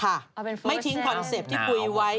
เอาเป็นฟรอสเซ็นไม่ทิ้งคอนเซปที่คุยไว้